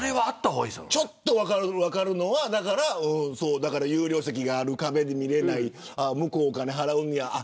ちょっと分かるのは有料席がある、壁で見れない向こうはお金を払うんや。